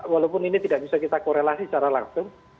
walaupun ini tidak bisa kita korelasi secara langsung